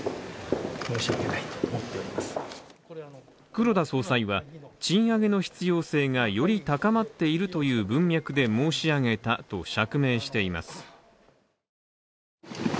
黒田総裁は賃上げの必要性がより高まっているという文脈で申し上げたと釈明しています。